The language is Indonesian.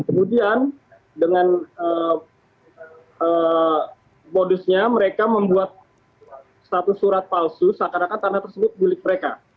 kemudian dengan modusnya mereka membuat satu surat palsu seakan akan karena tersebut bulik mereka